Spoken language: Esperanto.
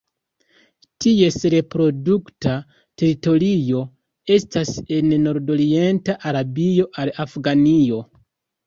Ties reprodukta teritorio estas el nordorienta Arabio al Afganio.